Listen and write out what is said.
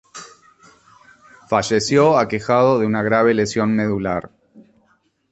Falleció aquejado de una grave lesión medular.